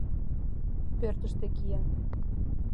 Пӧртыштӧ киен.